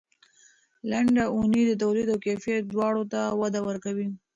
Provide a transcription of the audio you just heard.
لنډه اونۍ د تولید او کیفیت دواړو ته وده ورکوي.